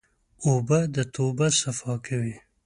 اوبه د توبه صفا کوي.